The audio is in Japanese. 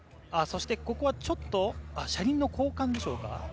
ここはちょっと車輪の交換でしょうか？